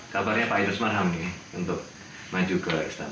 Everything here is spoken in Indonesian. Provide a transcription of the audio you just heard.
kabarnya pak idus marham nih untuk maju ke istana